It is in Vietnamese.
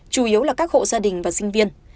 chủ yếu là các hộ gia đình và sinh viên